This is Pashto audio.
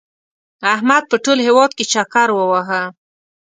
احمد په ټول هېواد کې چکر ووهه.